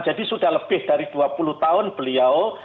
jadi sudah lebih dari dua puluh tahun beliau